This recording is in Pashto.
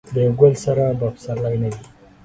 د یو ګل سره به پسرلی نه وي.